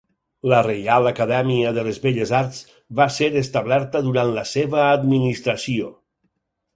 La Reial Acadèmia de les Belles Arts va ser establerta durant la seva administració.